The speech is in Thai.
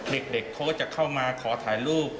เด็กเขาก็จะเข้ามาขอถ่ายรูป